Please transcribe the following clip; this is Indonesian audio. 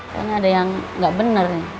kan ada yang gak bener nih